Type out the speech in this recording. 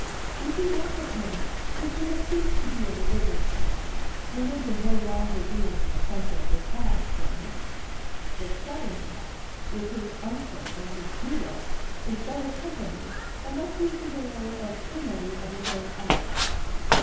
We see less of him since we have ceased to be a religious country, religion no longer being an essential disguise for him. The Southern type, with his unction and his juleps, is better company, unless he is the hero of too many of his own anecdotes.